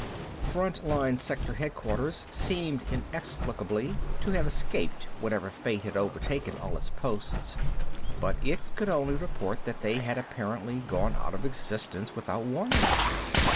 Front line sector headquarters seemed inexplicably to have escaped whatever fate had overtaken all its posts, but it could only report that they had apparently gone out of existence without warning.